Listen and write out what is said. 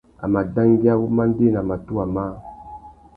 A mà dangüia wumandēna matuwa mâā.